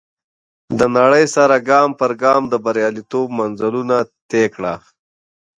د نړۍ سره ګام پر ګام د برياليتوب منزلونه طی کړه.